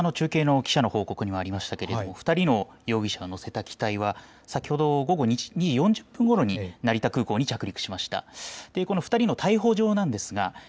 先ほどの中継の記者の報告にもありましたが２人の容疑者を乗せた機体は先ほど午後２時４０分ごろに成田空港に着陸しました。